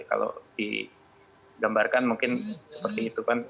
kalau digambarkan mungkin seperti itu kan